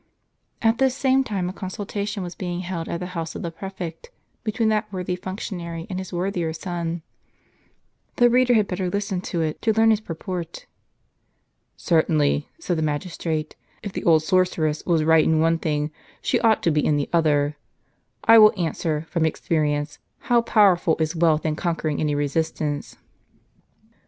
At this same time a consultation was being held at the house of the prefect, between that worthy functionary and his worthier son. The reader had better listen to it, to learn its purport. "Certainly," said the magistrate, "if the old sorceress was right in one thing, she ought to be in the other. I will answer, from experience, how powerful is wealth in conquering any resistance."